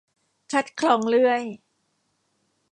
คัดคลองเลื่อย